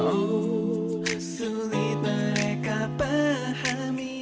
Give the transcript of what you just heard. oh sulit mereka pahami